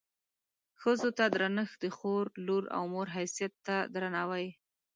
ښځو ته درنښت د خور، لور او مور حیثیت ته درناوی.